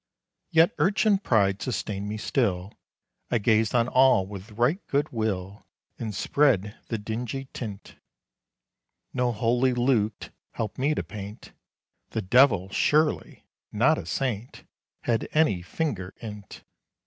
Yet urchin pride sustained me still, I gazed on all with right good will, And spread the dingy tint; "No holy Luke helped me to paint, The devil surely, not a Saint, Had any finger in't!"